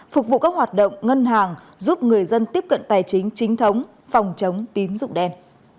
phục vụ các hoạt động ngân hàng giúp người dân tiếp cận tài chính chính thống phòng chống tín dụng đen